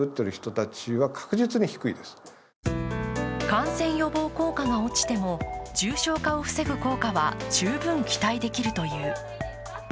感染予防効果が落ちても重症化を防ぐ効果は十分期待できるという。